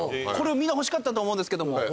これをみんな欲しかったと思うんですけども。